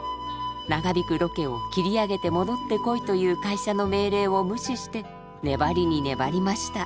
長引くロケを切り上げて戻ってこいという会社の命令を無視して粘りに粘りました。